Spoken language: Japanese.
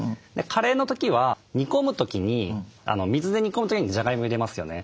カレーの時は煮込む時に水で煮込む時にじゃがいも入れますよね。